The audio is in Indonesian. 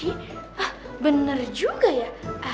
hah bener juga ya